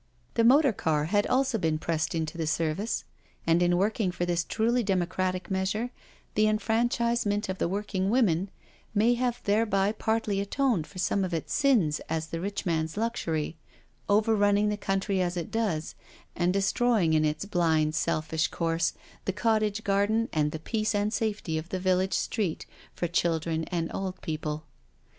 The motor car had also been pressed into the ser vice, and in working for this truly democratic measure, the enfranchisement of the working women, may have thereby partly atoned for some of its sins as the rich man's luxury, overrunning the country as it does, and destroying in its blind, selfish course the cottage garden and the peace and safety of the village street for children and old people.